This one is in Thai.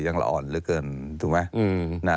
ละอ่อนเหลือเกินถูกไหม